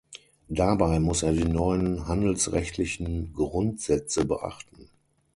Dabei muss er die neuen handelsrechtlichen Grundsätze beachten.